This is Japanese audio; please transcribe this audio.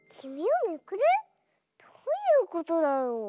どういうことだろう？